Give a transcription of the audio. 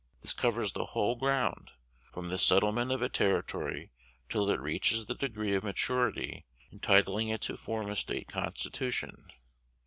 This covers the whole ground, from the settlement of a Territory till it reaches the degree of maturity entitling it to form a State constitution.